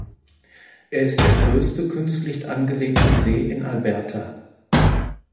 Er ist der größte künstlich angelegte See in Alberta.